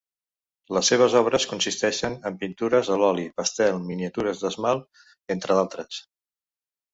Les seves obres consisteixen en pintures a l'oli, pastel, miniatures d'esmalt, entre altres.